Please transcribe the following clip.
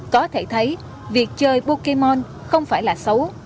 có thể thấy việc chơi bukimond không phải là xấu